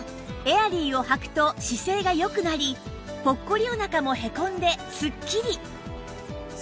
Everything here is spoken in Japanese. エアリーをはくと姿勢が良くなりポッコリお腹もへこんですっきり